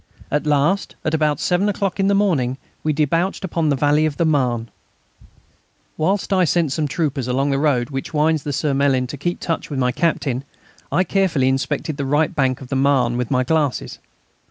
At last, at about seven o'clock in the morning, we debouched upon the valley of the Marne. Whilst I sent some troopers along the road which winds by the Surmelin to keep in touch with my Captain, I carefully inspected the right bank of the Marne with my glasses.